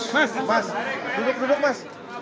mas duduk duduk mas